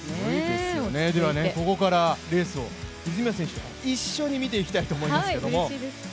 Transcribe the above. ここからレースを泉谷選手と一緒に見ていきたいと思います。